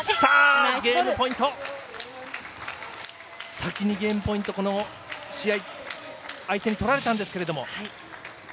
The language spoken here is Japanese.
先にゲームポイントこの試合相手に取られたんですけれども。